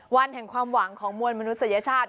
วันแห่งความหวังของมวลมนุษยชาติ